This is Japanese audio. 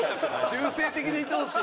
中性的でいてほしい。